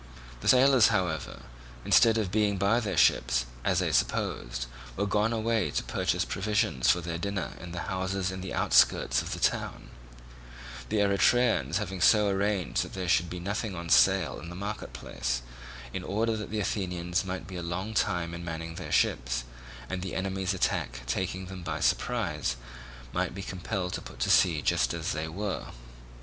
The sailors, however, instead of being by their ships, as they supposed, were gone away to purchase provisions for their dinner in the houses in the outskirts of the town; the Eretrians having so arranged that there should be nothing on sale in the marketplace, in order that the Athenians might be a long time in manning their ships, and, the enemy's attack taking them by surprise, might be compelled to put to sea just as they were.